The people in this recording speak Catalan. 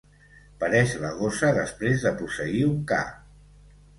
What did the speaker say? Pareix la gossa després de posseir un ca.